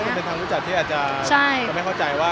มันก็จะเป็นทางรู้จักที่อาจจะไม่เข้าใจว่า